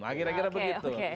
akhirnya kira begitu